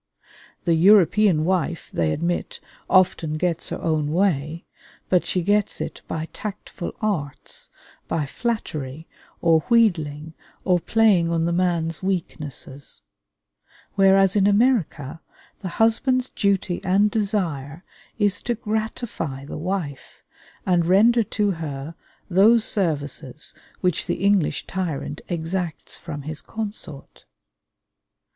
The European wife, they admit, often gets her own way, but she gets it by tactful arts, by flattery or wheedling or playing on the man's weaknesses; whereas in America the husband's duty and desire is to gratify the wife, and render to her those services which the English tyrant exacts from his consort.